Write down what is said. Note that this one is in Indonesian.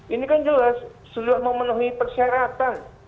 ini kan jelas sudah memenuhi persyaratan